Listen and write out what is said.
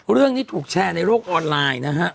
เรื่องนี้ถูกแชร์ในโลกออนไลน์นะฮะ